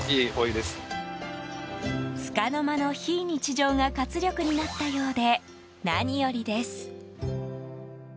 つかの間の非日常が活力になったようで何よりです。